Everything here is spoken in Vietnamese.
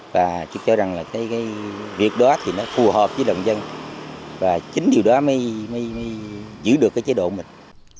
và tôi cho rằng là cái việc đó thì nó phù hợp với động dân và chính điều đó mới giữ được cái chế độ mình